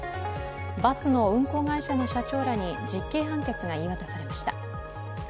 バスの運行会社の社長らに実刑判決が言い渡されました。